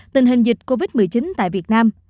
tình hình dịch covid một mươi chín tại việt nam